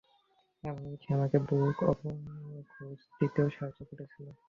এমনকি সে আমাদের বুক অব ভিশান্তির খোঁজ দিতেও সাহায্য করেছিল।